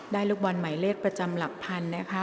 ได้ลูกบอนหมายเลขประจำหลัก๑๐๐๐นะคะ